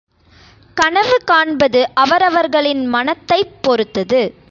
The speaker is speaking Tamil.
கனவு காண்பது அவரவர்களின் மனத்தைப் பொறுத்தது.